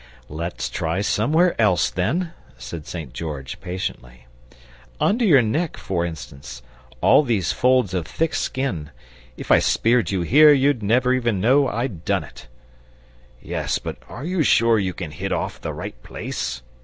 "Let's try somewhere else, then," said St. George, patiently. "Under your neck, for instance, all these folds of thick skin, if I speared you here you'd never even know I'd done it!" "Yes, but are you sure you can hit off the right place?"